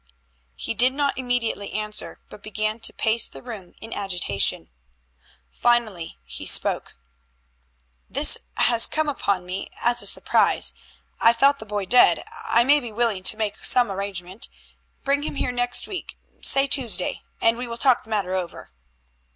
He did not immediately answer, but began to pace the room in agitation. Finally he spoke. "This has come upon me as a surprise. I thought the boy dead. I may be willing to make some arrangement. Bring him here next week say Tuesday and we will talk the matter over."